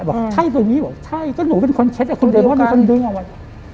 บอกใช่ตัวนี้บอกใช่ก็หนูเป็นคนเช็ดแต่คุณเดมอนเป็นคนดึงอ่ะวัน